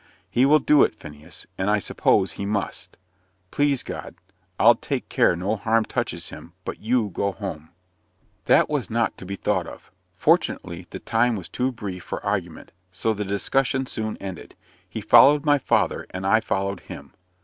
"He will do it, Phineas, and I suppose he must. Please God, I'll take care no harm touches him but you go home." That was not to be thought of. Fortunately, the time was too brief for argument, so the discussion soon ended. He followed my father and I followed him.